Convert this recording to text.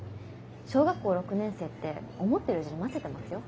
小学校６年生って思ってる以上にませてますよ。